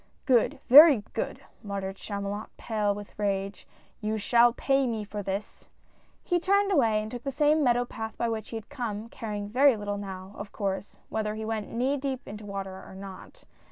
" Good, very good !'' muttered Chamulot, pale with rage —" you shall pay me for this !" He turned away and took the same meadow path by which he had come, caring very little now, of course, whether he went knee deep into water, or not.